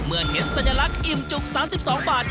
เมื่อเห็นสัญลักษณ์อิ่มจุก๓๒บาท